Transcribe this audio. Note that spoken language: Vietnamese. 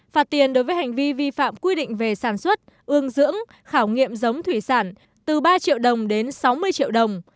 phạt tiền đối với hành vi vi phạm quy định về sản xuất ương dưỡng khảo nghiệm giống thủy sản từ ba triệu đồng đến sáu mươi triệu đồng